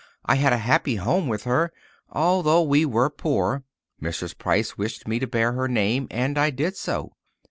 I had a happy home with her, although we were poor. Mrs. Price wished me to bear her name, and I did so.